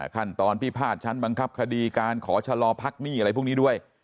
ขั้นตอนพิพาทชั้นบังคับคดีการขอชะลอพักหนี้อะไรพวกนี้ด้วย